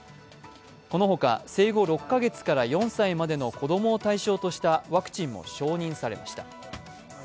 この他、生後６か月から４歳までの子供を対象としたワクチンも承認されました。